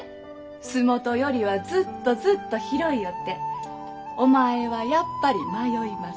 洲本よりはずっとずっと広いよってお前はやっぱり迷います。